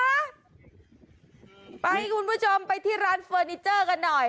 ให้คุณผู้ชมไปที่ร้านเฟอร์นิเจอร์กันหน่อย